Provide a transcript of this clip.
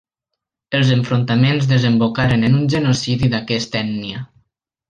Els enfrontaments desembocaren en un genocidi d’aquesta ètnia.